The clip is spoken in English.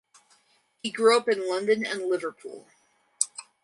He grew up in London and Liverpool.